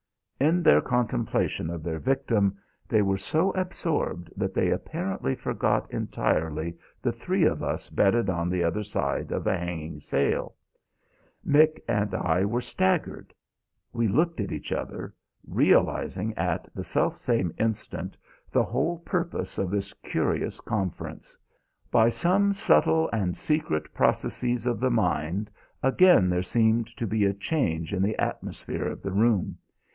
In their contemplation of their victim they were so absorbed that they apparently forgot entirely the three of us bedded on the other side of the hanging sail. Mick and I were staggered. We looked at each other, realising at the self same instant the whole purpose of this curious conference. By some subtle and secret processes of the mind again there seemed to be a change in the atmosphere of the room.